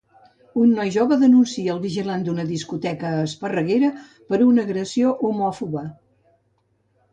Un noi jove denuncia el vigilant d'una discoteca a Esparreguera per una agressió homòfoba.